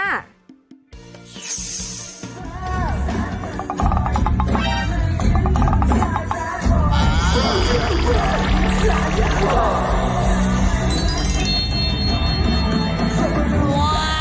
ว้าว